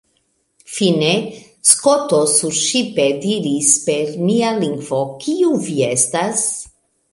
Fine, Skoto surŝipe diris per mia lingvo, Kiu vi estas?